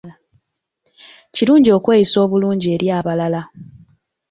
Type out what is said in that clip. Kirungi okweyisa obulungi eri abalala.